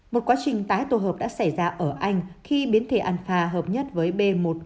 một quá trình tái tổ hợp đã xảy ra ở anh khi biến thể alpha hợp nhất với b một một bảy bảy